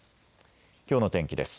きょうの天気です。